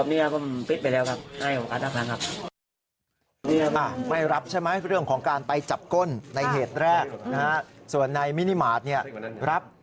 อี้เขาจะมารับใช่ไหมเรื่องของการไปจับก้นในเหตุแรกน่ะส่วนในมินิมาร์ทเนี่ยรับ